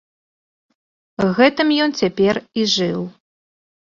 Гэтым ён цяпер і жыў.